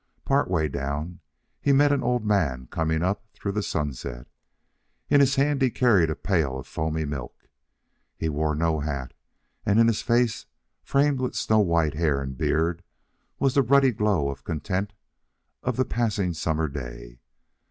Part way down, he met an old man coming up through the sunset. In his hand he carried a pail of foamy milk. He wore no hat, and in his face, framed with snow white hair and beard, was the ruddy glow and content of the passing summer day.